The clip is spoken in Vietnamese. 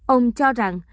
ông cho rằng